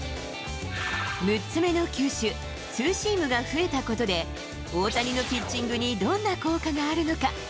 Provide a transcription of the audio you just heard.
６つ目の球種、ツーシームが増えたことで、大谷のピッチングにどんな効果があるのか。